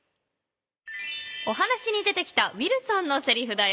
お話に出てきたウィルソンのせりふだよ。